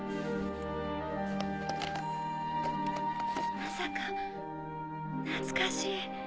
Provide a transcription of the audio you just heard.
まさか懐かしい！